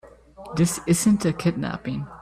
This isn't a kidnapping.